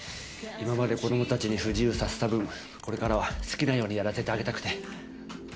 今まで子どもたちに不自由させた分これからは好きなようにやらせてあげたくて。